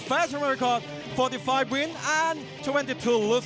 แฟนชันเมอร์รีคอร์ด๔๕วินและ๒๒ลูซิส